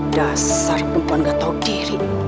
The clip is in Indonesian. dasar perempuan gak tahu diri